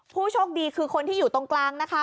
ผู้โชคดีคือคนที่อยู่ตรงกลางนะคะ